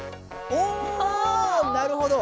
おなるほど。